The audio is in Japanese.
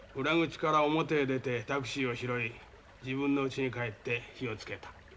裏口から表へ出てタクシーを拾い自分の家に帰って火をつけた。